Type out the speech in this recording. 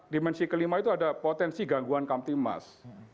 dimensi kelima itu ada potensi gangguan kampti emas